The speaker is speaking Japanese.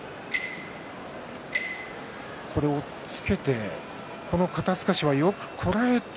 押っつけて肩すかしはよくこらえて。